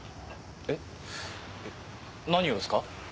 えっ？何をですか？